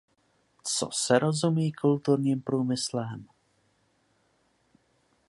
Co se rozumí kulturním průmyslem?